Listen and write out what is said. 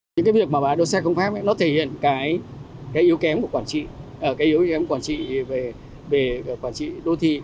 những việc mà bãi đỗ xe không pháp nó thể hiện cái yếu kém của quản trị cái yếu kém quản trị về quản trị đô thị